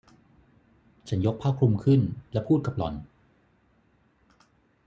ฉันยกผ้าคลุมขึ้นและพูดกับหล่อน